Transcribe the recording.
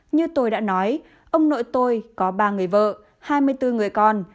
như tôi đã nói ông nội tôi có ba người vợ hai mươi bốn người con